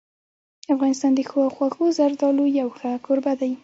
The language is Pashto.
افغانستان د ښو او خوږو زردالو یو ښه کوربه دی.